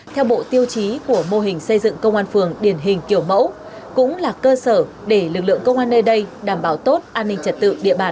theo bộ tiêu chí của mô hình xây dựng công an phường điển hình kiểu mẫu cũng là cơ sở để lực lượng công an nơi đây đảm bảo tốt an ninh trật tự địa bàn